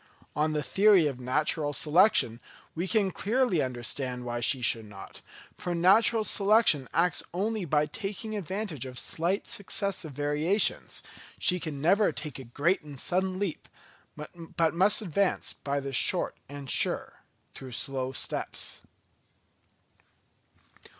On the theory of natural selection, we can clearly understand why she should not; for natural selection acts only by taking advantage of slight successive variations; she can never take a great and sudden leap, but must advance by the short and sure, though slow steps.